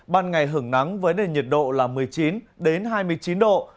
ban ngày hưởng nắng với nền nhiệt độ là một mươi chín hai mươi chín độ